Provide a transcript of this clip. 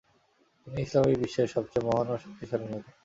তিনি ইসলামি বিশ্বের সবচেয়ে মহান ও শক্তিশালী নেতা।